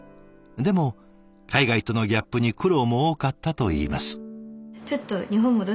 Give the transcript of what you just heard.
でも海外とのギャップに苦労も多かったといいます。